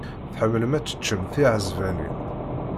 Tḥemmlem ad teččem tiɛesbanin.